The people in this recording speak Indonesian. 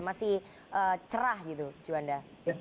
masih cerah gitu juanda